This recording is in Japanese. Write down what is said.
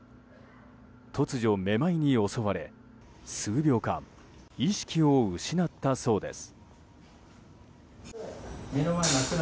突如めまいに襲われ数秒間、意識を失ったそうです。